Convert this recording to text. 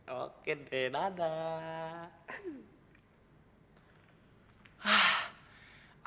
oke deh dadah